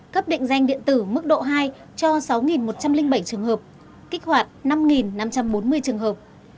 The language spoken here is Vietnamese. cấp định danh điện tử mức độ hai cho sáu một trăm linh bảy trường hợp kích hoạt năm năm trăm bốn mươi trường hợp